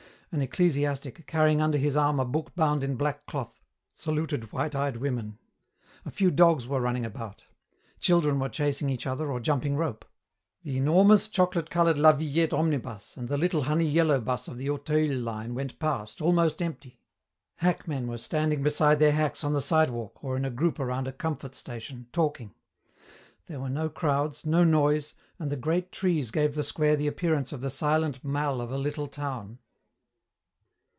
An ecclesiastic, carrying under his arm a book bound in black cloth, saluted white eyed women. A few dogs were running about. Children were chasing each other or jumping rope. The enormous chocolate coloured la Villette omnibus and the little honey yellow bus of the Auteuil line went past, almost empty. Hackmen were standing beside their hacks on the sidewalk, or in a group around a comfort station, talking. There were no crowds, no noise, and the great trees gave the square the appearance of the silent mall of a little town.